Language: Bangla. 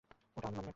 ওটা আমি না।